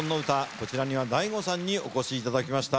こちらにはＤＡＩＧＯさんにお越しいただきました。